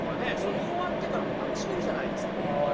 見終わってからも楽しめるじゃないですか。